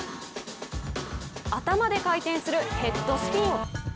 頭で回転するヘッドスピン。